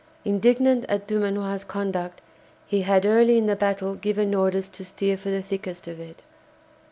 Indignant at Dumanoir's conduct, he had early in the battle given orders to steer for the thickest of it.